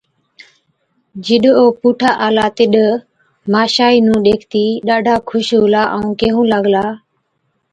جِڏ او پُوٺا آلا تِڏ ماشائِي نُون ڏيکتِي ڏاڍا خُوش هُلا، ائُون ڪيهُون لاگلا تہ،